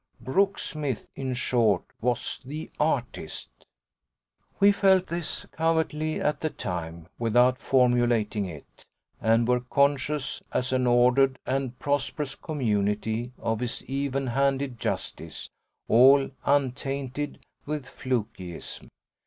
Brooksmith in short was the artist! We felt this covertly at the time, without formulating it, and were conscious, as an ordered and prosperous community, of his even handed justice, all untainted with flunkeyism.